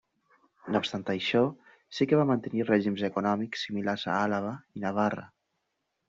No obstant això, sí que va mantenir règims econòmics similars a Àlaba i Navarra.